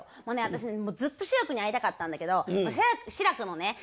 もうね私ねずっと志らくに会いたかったんだけど志らくのね